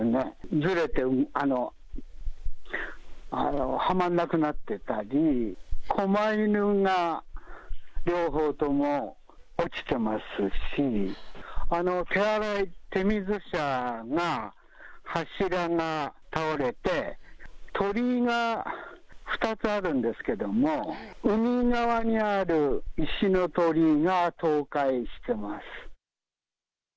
ずれてはまんなくなってたり、こま犬が両方とも落ちてますし、手洗い、手水舎が柱が倒れて、鳥居が２つあるんですけども、海側にある石の鳥居が倒壊してます。